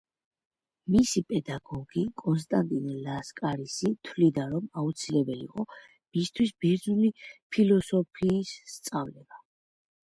მისი პედაგოგი, კონსტანტინე ლასკარისი თვლიდა, რომ აუცილებელი იყო მისთვის ბერძნული ფილოსოფიის სწავლება.